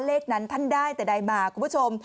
เลขนั้นท่านได้แต่ใดมาคุณผู้ชม